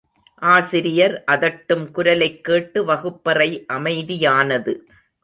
ஆசிரியர் அதட்டும் குரலைக் கேட்டு வகுப்பறை அமைதியானது.